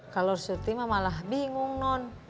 kalau surti mah malah bingung non